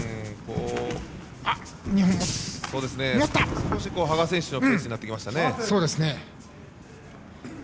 少し羽賀選手のペースになってきましたね。